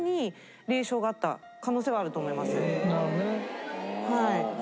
はい。